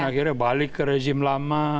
akhirnya balik ke rezim lama